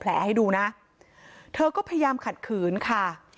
เธอโชว์แผลให้ดูนะเธอก็พยายามขัดขืนค่ะ